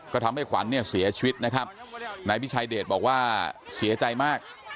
ก็ทำให้ขวัญเนี่ยเสียชีวิตนะครับนายพิชัยเดชบอกว่าเสียใจมาก